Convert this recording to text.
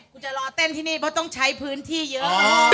คุณจะรอเต้นที่นี่เพราะต้องใช้พื้นที่เยอะ